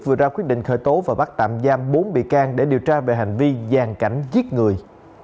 vừa ra quyết định khởi tố và bắt tạm giam bốn bị can để điều tra về hành vi gian cảnh giết người